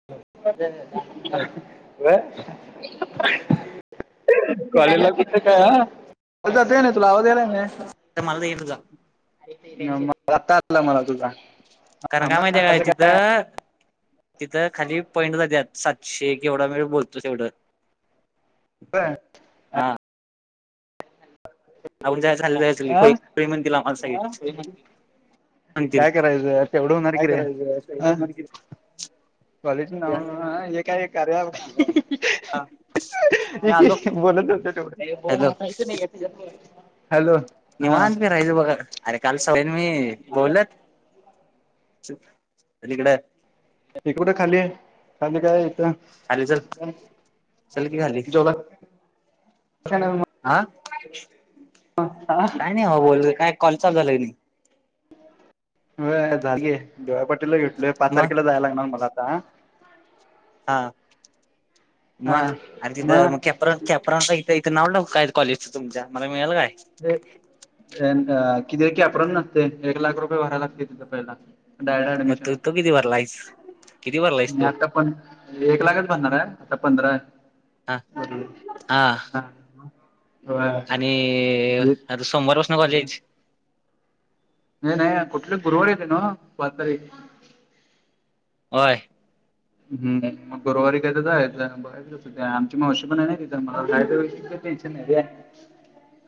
ह [unintelligible] [inaudible] कॉलेज कुठं काय अं, [inaudible] तुला आवाज यायलय? माल नईये तुझा आता [unintelligible] आलं मला तु, [unintelligible] कारण झां काय [inaudible] माहितीय काय तिथं तिथं खाली पॉईंट जात्यात, सातशे केवढा वेळ बोलतो, तेवढं व्हय [inaudible] अ हा आऊण जाय झा चाली हा? खुळे, [inaudible] खुळे म्हण तीला, माणसं सगळ. का करायच, तेवढ काय होणारकी र, करायचं अं? कॉलेज नाव, हे काय, काय कार्या मी आलो [inaudible] बोलत होतं, हॅलो तेवढयच नहीये [unintelligible] निवांत फिरायचं बघा, आणि काल [unintelligible] मी बोलत [unintelligible] [inaudible] लीकड ते कुड खाली ये, खाली काय, खाली चल इथ चल की खाली [inaudible] जेवला? चालल मं आं? [unintelligible] अं, आं? काय नही, हो बोल, काय कॉल, चालू झालंय नी. व्हय झालीये, डी वाय पाटीलला घेतलोय, पाच मग तारखेला, जायला लागणार मला आता, आ. हां, मद अणि तिथं मग कॅप्र कॅप्रा च इथे, इथे नाव [unintelligible] कॉलेजचं तुमच्या, मला मिळल काय? तिथे, क् कॅप राउंड नसते, एक लाख रुपये, भराय लागते, तिथे पहिल. डायड [inaudible] मग ऍडमिशन तू ये, तो किती भरलायस किती भरलायस मी तो आता पण एक लाखच भरणार ये, का पंधरा? [inaudible] हा हा होय. मी, आता सोमवार पासणं कॉलेज नहीं नहीं कुठलं गुरवार येतेना, पाच तारीख? व्हय. हम्म, मग गुरुवारी, काय त जायेच [unintelligible] तसं काय, आमची मावशी पण ये ना तिथं, मला [unintelligible] टेनशन नाही.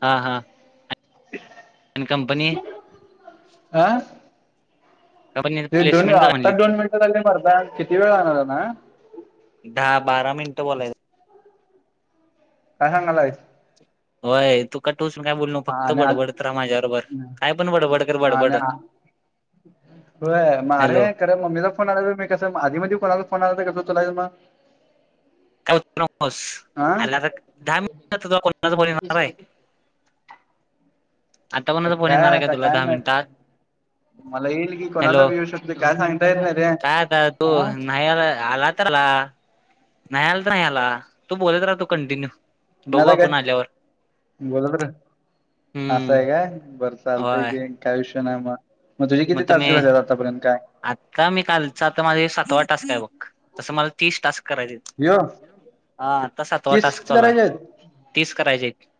हां हां. [unintelligible] अन कंपनी? अं? कंपनी ते दोनी प्लेसमेंट आत्ता, म्हणली दोन मिनटात आले मर्दा, किती वेळ राहणार ना? दहा, बारा, मिनटं बोलायच.. काय सांगालाय.... [inaudible] हो.... त कटूसून काय बोल. फक्त आणि आज बडबडत राहा. माझ्याबरोबर, काय पण बडबड कर, बडबड... हो [inaudible] मरे हॅलो [inaudible] का मम्मीचा फोन आला. मी कसं, आधी मध्ये कोणाला फो आला. कस तलाय मग.... हा आता [unintelligible] आता आ कोणाचा फोन काय येणार आहे का आता तुला काय दहा माहित मिनिटात मला येईल की कोणाचा हॅलो पण येऊ शकतो, काय सांगता येत नाही? रे काय आता तो, हा नाही आला तर आला, नाही आला तर नाही आला, तू बोलत राह. तू. कंटिन्यू मी बघू आता काय आपण आल्यावर. बोलत रे असं हम्म आहे काय, बरं चालतंय होय घे काय विषय नाही मग, मग तुझी किती तास झाल्यात आतापर्यंत काय, आत्ता मी कालच आता माझे सातवा टास्क आहे, बघ तस मला तीस टास्क करायचं आहेत. यो हा आता सातवा तीस टास्क चालू आहे, करायचे आहेत तीच करायची आहेत.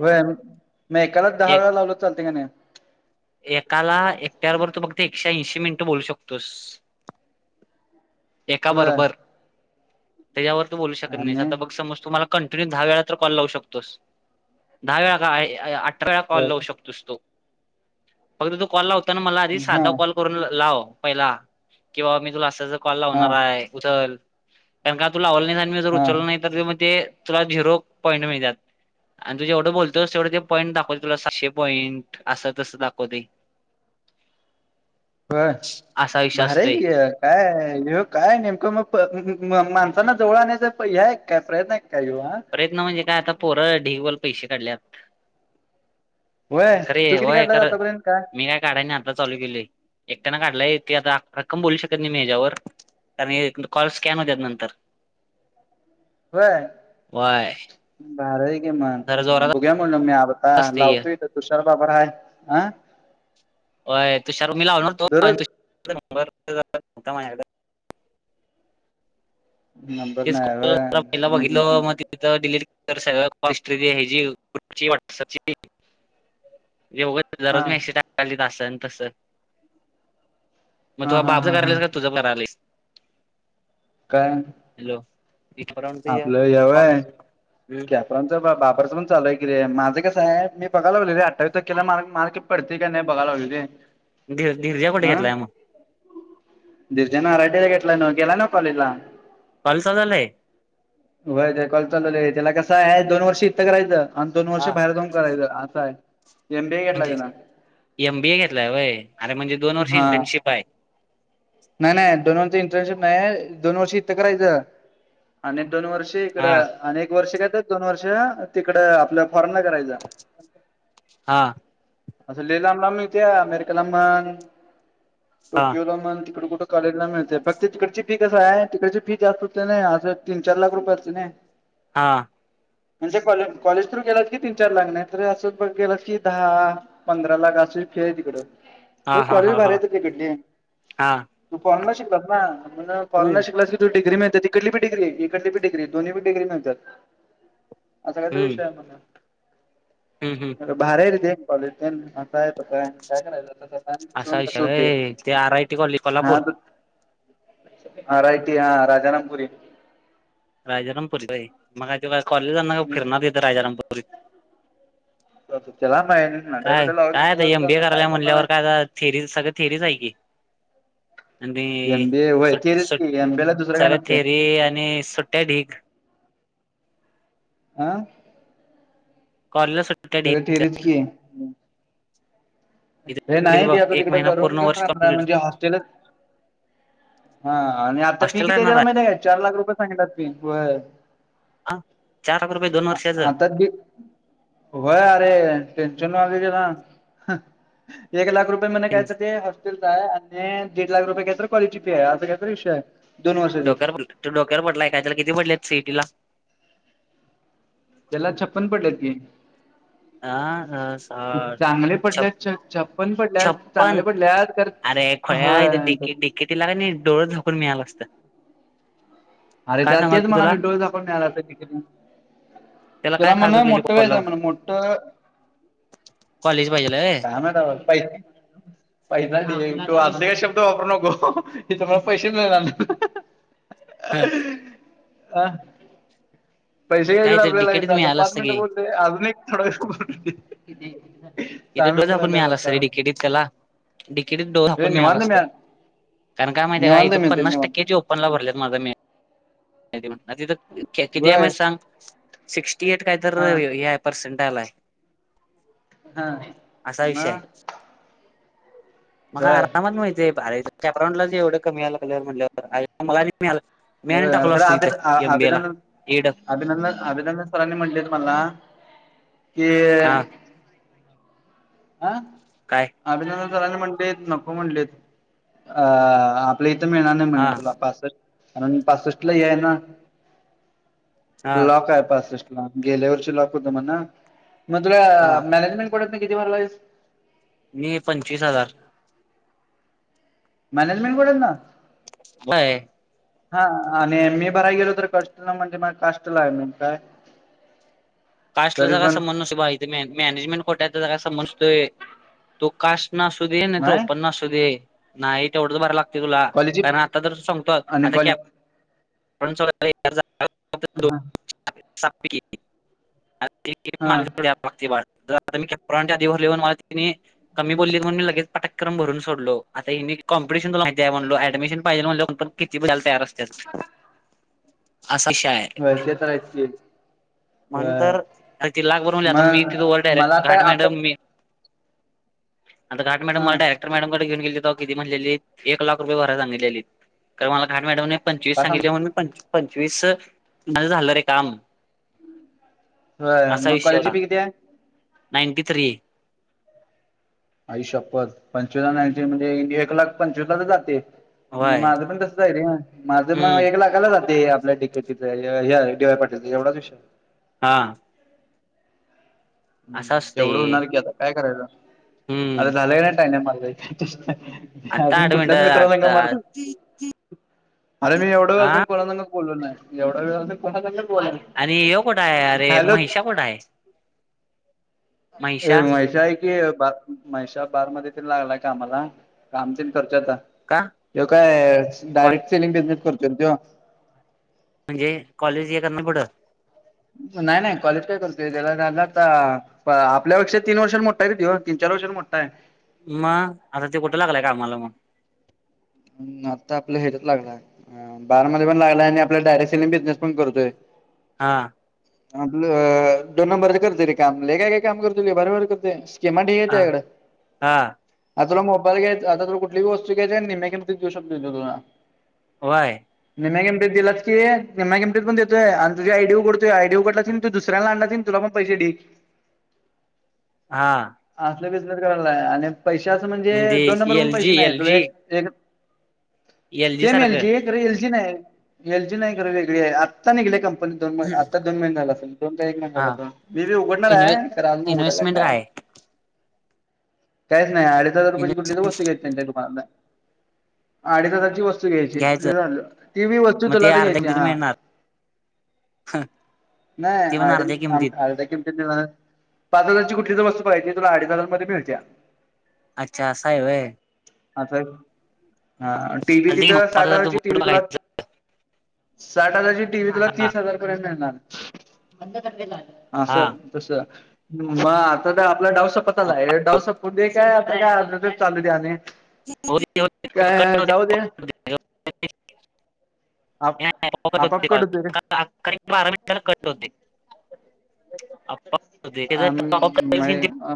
होय, मग एकालाच दहा एक वेळा लावलं तर चालतंय काय नाय. एकाला एकट्यावबर तू फक्त एकशे ऐंशी मिनटं बोलू शकतोस? एका होय बरोबर, त्याच्यावर तू बोलू शकत नाही आणि आता बघ समज तु कंटिन्यू दहा वेळा तर कॉल लावू शकतोस, दहा वेळा का अठरा वेळा कॉल लावू शकतोस? तु फक्त तू कॉल लावता ना मला आधी हा साधा कॉल करून लाव, पहिला कि बाबा मी तुला असं कॉल हा लावणार आहे. उचल कारण काय तु लावलं आणि मी जर हा उचललं नाही तर मग ते, तुला झिरो पॉईंट मिळतात? आणि तू जेवढं बोलतोस तेवढं ते पॉईंट दाखवत तुला सहाशे पॉईंट असं, तस दाखवतंय? बरं, भारी आहे की हे काय ह काय नेमकं मग माणसांना जवळ आणयच ह काय प्रयत्न आहेत काय य [inaudible] प्रयत्न म्हणजे काय आता पोर ढिगबाला पैसे काढल्यात. व्हय अरे तू किती होय खर काढलास आतापर्यंत काय [inaudible] काढाय नाही आता चालू केलोय, एकट्यान काढलाय ते आता रक्कम बोलू शकत नाही, मी हेच्यावर कारण, ह कॉल स्कॅन होतात नंतर होय, व्हय? भारी आहे की मग, जरा जोरात बघुया म्हणलं मी आता असतंय हे लावतोय. तुषारबाबर हाय अ [unintelligible] होय तुषार लावनार होतो [inaudible] दररोज नंबर नाही व्हय हम्म माझ्याकड हम्म हम्म [unintelligible] तिथं डिलीट कर सगळ हिस्ट्री [inaudible] ग्रुपची व्हॉट्सअपची हा [unintelligible] [inaudible] असं तसं मग हा तु हा माझं हा हा करायलास का तुझं करालीस काय, हॅलो, बाबरंच पण चालु हाय की रे माझं कस हाय मी बघायला लागलोय रे अठावीस तारखेला म मला पडतंय काय नाही बघायला लागलोय रे, धरर्जा कुठे घेतलाय मग, धीरजा आर आय टी ला घेतला न गेला न कॉलेजला. कॉलेज चालु झालय. होय ते कॉलेज चालु झालय आहे त्याला कस आहे दोन वर्ष इथ करायच. आणि दोन वर्ष हा बाहेर जाऊन करायच अस आहे. एम बी ए घेतला म्हणजे त्यानं एम बीए घेतलाय व्हय अरे म्हणजे दोन वर्ष हा इंटर्नशिप आहे. नाही नाही दोन वर्षची इंटर्नशिप नाही आहे दोन वर्ष इथ करायच. आणि दोन वर्ष इकड हा आणि एक वर्ष कायतर दोन वर्ष तिकड आपल्या फॉरेनला करायच. हा [inaudible] अस लई लांब लांब मिळतीया अमेरिकाला म्हण, हा टोकियोला म्हण तिकड कुठ कॉलेजला मिळते फक्त ते तिकडची फी कस आहे तिकडची फी जास्त होते ना अस तीन चार लाख रुपय आसतिल नाय. हां म्हणजे कॉले कॉलेज थ्रू गेलात की तीन चार लाख नाही तर अस बघ गेलास की दहा पंधरा लाख आशि फि आहे तिकड पण हा हा कॉलेज हा भारी हा आहे तिकडले. हा तू फॉरेनला शिकला ना मग फॉरेनला हम्म शिकलास की तू डिग्री मिळत्या तिकडली बी. डिग्री इकडली बी डिग्री दोन्ही बी डिग्री मिळत्यात असा काहीतरी हम्म विषय आहे म्हण. हम्म हम्म भारी आहे रे ते कॉलेज पण. काय [unintelligible] कस करायच तस असा कस विषय होते. व्हय ते R I T college Kolhapur R I T हा राजारामपुरी. राजारामपुरी होय मग ते कॉलेजला जाणार का फिरणार तीथ राजारामपुरीत. त्याला काय. नडा काय बिडा काय आता एम लावला बीए करायला करणार म्हणल्यावर आहे काय थेरी सगळ थेरीच आहे की. आणि एमबीए होय सट तेच सट की एमबीए ला दुसरं काय सगळ्या नसतंय. थेरी आणि सुट्टया ढीग. आ कॉलेजला सुट्ट सगळं थेरीच की. हे इथं नाही ते बघ आता एक तिकड महिना रूम पूर्ण घेऊन वर्ष राहणार कंप्लीट म्हणजे हॉस्टेलच. हा आणि आ आता फी हॉस्टेल किती आहे राहणार त्याला माहिती का चार लाख रुपये सांगितल्यात फी. हा चार लाख रुपये दोन वर्षांच. आता बी होय अरे टेन्शन आलय त्याला एक लाख रुपये म्हणे काय तर ते होस्टेलचे आणि दीड लाख रुपये काय तर कॉलेजची फी आहे असा कायतरी विषय आहे. दोन वर्षाची डोक्यावर पडलाय काय तो डोक्यावर पडलाय काय त्याला किती पडल्यात सी इ टी ला. त्याला छप्पन पडलेत की. आ अह साठ छप छ छप्पन पडले. छप्पन अरे खुळ्या इथ होय ढिकी [unintelligible] नाही डोळ झाकून मिळाल असत. अरे त्याला तेच म्हणालो तुला डोळे झाकुन मिळल असत डिकेटीला. त्याला काय म्हण खाज उठलेली मोठ कोल्हापूर व्हयचय म्हण मोठ कॉलेज पाहिजेलय व्हय. काय माहीत [unintelligible] पै ते शब्द वापरू नको इथ मला पैसे मिळणार नाही. ह [unintelligible] पैसे मग घ्यायचेत काहीतरी आपल्याला डिकेटीत याच आता मिळालं पाच असतं मिनट की बोलते अजून एक थोडा वेळ बोल की. इथे डोळ झाकून मिळायला असतं रडिकेटत त्याला डीकेटत डोळ हे झाकून मिळाला निवांत मी असतं. कारण काय माहिती निवांत का मी तर पनास निवांत टके ची ऑ. ला भरलेत माझा म तथ किती आहे बर माहि सांग. सिक्स्टी एट काय तर हा हे पर्सेंटाला आलय. हा. असा विषय मग हाय. म होय आरामात मिळतय आरे कॅप्रंड ला एवढं कमी यायेलग्ल्यवर म्हटल्यावर काय. मला मिळा मिळा मी आणि होय टाकलो खरं असतो अभि इथं एमबी ला अभिनंदन एड. अभिनंदन अभिनंदन सरांनी म्हटलेत मला कि. हा आं. काय. अभिनंदन सरांनी म्हणलेत नको म्हणलेत अ. आपला इथं मिळणार नाही म्हणे हा तुला पासष्ट आणि पासष्ट ला आहे ना. हा लॉक आहे पासष्ट ला गेल्या वष लॉक होत म्हण ना मग तुला हा मॅनेजमेंट. पडत नाही किती. मी पंचवीस हजार. मॅनेजमेंट कर ना. बाय. हा आणि एम ए भराय गेलो तर कष्टला म्हणजे म काष्टला आहे म काय. [inaudible] कास्टला तरी जाग पण संबंध नस बाे मॅनेजमेंट खोट्याचा जाग संमंध न सतोय तो कास्ट. असू दे नाही तर ओ पन अ सू दे नाही ते एवढं भरायलागत. तुला कॉलेज कारण आता तर सांगतो आणि आता. कॉलेज हा [unintelligible] हा वाता मीच्या आधीवर लिहून मला ति. कमी बोललीत म्हण मीगेच पाटक्रमरूनोलो आता ही कॉम्पटिशन त माहि आहे म्हणलो डमिशन पाहिजे म्हलंण. किती बलत तयार असत्यात असा विषय हाय. होय ते तर आहे च कि. म्हणून होय तर ती लाख भर म्हणली आता मग मी तिथं वर डायरेक्ट मला तर घाट आता. मॅडम मी आता काट मॅडम हा मला डयर. मॅडमकडे घेऊ गेली तर किती म्हणलेली एक लाख रुपये भरय सांगलेली तर मला घाट मॅडम. पंचवीस का सांग सांगित म्हण मी पंचवीस म्हझं झालं रे काम. होय असा मग विषय कॉलेजची होता फी किती आहे नाईंटी थ्री. आई शपथ पंचवीसंची म्हणजे एक लाख पंचवीस जाते. म्हणजे व्हय माझं पण तसं जाय रे माझं मग हम्म एक लाखाला जाते आपल्या. ती ह्याडीवाय पाटीलचा एवढाच विषय. हा. असं हम् जवढं असतंय होणार की आता काय करायच आर हम्म झालंय नाही टाय नाही मझ. आता अजून आठ कुठल्याच मिनिटं मित्रां न का आता मारतात. अरे मी एवढ्याे वेळ अ हा जून कोणा संग बोलो नाही. अरे ह्यो कुठाय हॅलो महेशा कुठाय. अ महेशा हाय कि. ब महेशा बार मध्ये ते लागलाय कामाला काम त करच्याता. का ते काय कॉ डायरेक्ट सेलिंग बिझनेस करतो त. म्हणजे कॉलेज ये कर नाही पुढं. नाय, नाय कॉलेज काय करतोय त्याला झालं आता प आपल्यापेक्षा तीन वर्षानं मोठा आहे रे त्यो, तीन -चार वर्षानं मोठा आहे. मग आता त्यो कुठं लागलायं कामाला मग? हं.. आत्ता आपलं हेझ्यात लागलाय. ह बारामध्ये पण लागलाय आणि आपला डायरेक्ट सेलिंग बिझनेस पण करतोय. हा आपलं दोन नंबरचं करतोय रे काम, लई काय- काय काम करतोय, लई भारी -भारी करतंय. स्कीमा ढीग हायत हा तेज्याकडं हा आता तुला मोबाईल घ्यायचा, आता तुला कुठली वस्तू घ्यायच्या निम्म्या किंमतीत देवू शकतोय त्यो तुला. व्हयं निम्म्या किंमतीत दिलास की, निम्म्या किंमतीत पण देतोय आणि तुझी आय डी उघडतोय, आयडी उघडलास की, तू दुसऱ्याला आणलास की नाही तुला पण पैसे ढीग. हा असले बिझनेस करायलाय आणि पैशे असं म्हणजे दोन नंबर पण एल पैसे जी नाही एल तुला जी एक सेम एल जी आहे, खरं एल जी नाही, एल जी नाही, खरं वेगळी आहे आत्ता निघल्या कंपनी. दोन म आत्ता दोन महिने झाल असल, दोन का एक महिना हा झालं असून मी बी उघडणार इन्व्हे आहे आजून उघडायचाय काय काहीच नाही अडीच हजार रुपयाची कुठली तर वस्तू घ्यायची तेच्या दुकानातनं. अडीच हजारची वस्तू घ्यायची, घ्यायचं लई झालं ती बी वस्तू मग ते तुला अर्ध्या घ्यायची किमतीत हा मिळणार नाही ते पण अडीच, अर्ध्या थ किमतीत अर्ध्या किमतीत. ते निराळच पाच हजारची कुठली तर वस्तू पाहिजे तुला अडीच हजार मध्ये मिळत्या, अच्छा, असाय व्हय. आता हा टीव्ही चालतंय की मग तिथं पाच साठ हजारचं हजारची बुट टीव्ही तुला बघायचं साठ हजारची टीव्ही तुला तीस हजार पर्यंत मिळणार बंद कर ते गाणं हा असं. तस मग आता तर आपला डाव सपत आलाय, ह्यो डाव सपून दे काय [unintelligible] चालू दे आणि [unintelligible] काय जाऊ दे आप आपोआप कट होतय रे [unintelligible] कट होतय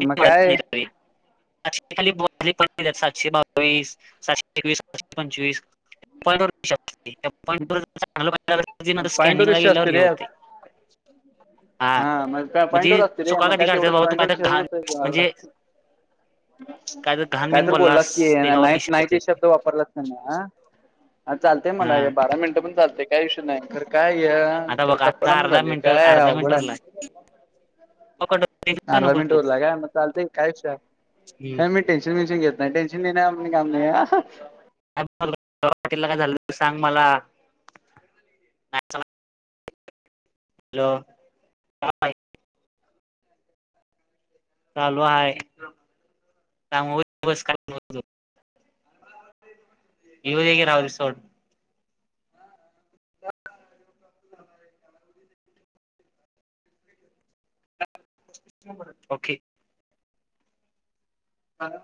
मग काय सातशे खालीले सातशे बावीस, सातशे एकवीस सातशे पंचवीस [unintelligible] पॉईंटॉंट पॉईंट वर स्कॅनिंग ला विषय गेल्यावर असतोय हे रे होतयं. हा मग त्या पॉईंट वर म्हणजे असतंय रे चुका मग कधी काय करतात तेवढंच बाबा तू पॉईंटवर काय तर घाण खेळतच तमला म्हणजे [unintelligible] घाण काय बिन तर बोललास की, त्याच्यावर नाही विषय नाही असते. ते शब्द वापरला अन हं चालतेय मला हा बारा मिनिटं पण चालतंय, काय ईशू नाही खर काय हे.. आता खरं बघ सपना आता पण अर्धा झालंय मिनिट काय अर्धा अवघड आहे. [unintelligible] अर्धा नकोस मिनटं तू उरलाय काय म चालत काय विषय हाय. टेन्शन- बिन्शन घेत नाही टेन्शन घेणं आपलं काम नाही. [unintelligible] तिला काय झालं तर सांग मला हॅलो [unintelligible] [inaudible] चालू हाय त्यामुळं गप बस काय [unintelligible] हे हू दे की, राहू दे सोड. [unintelligible] Okay hello